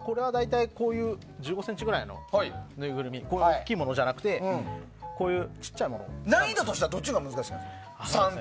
これは大体１５ｃｍくらいのぬいぐるみで大きいものじゃなくて難易度としてはどっちが難しい？